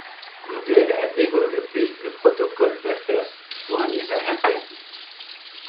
Google a développé le Protocol Buffers pour un usage interne.